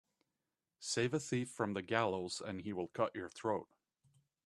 Save a thief from the gallows and he will cut your throat.